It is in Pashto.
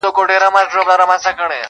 ما مي د بابا په هدیره کي ځان لیدلی وو-